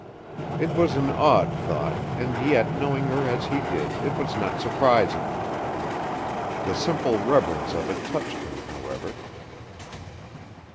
It was an odd thought, and yet, knowing her as he did, it was not surprising. The simple reverence of it touched him, however.